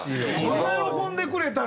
こんな喜んでくれたら。